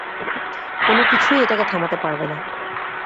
কোনকিছুই এটাকে থামাতে পারবে না।